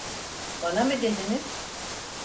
Bana mı dediniz?